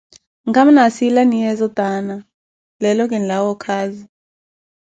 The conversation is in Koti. nkama naasilaniyeezo taana, leelo akinlawa okaazi.